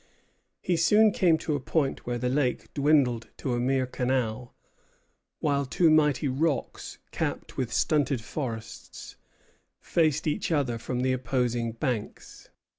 He soon came to a point where the lake dwindled to a mere canal, while two mighty rocks, capped with stunted forests, faced each other from the opposing banks.